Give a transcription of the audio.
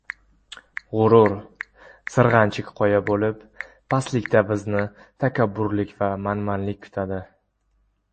G‘urur — sirg‘anchiq qoya bo‘lib, pastlikda bizni takabburlik va manmanlik kutadi.